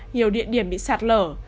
nhiều địa điểm bị sạt lở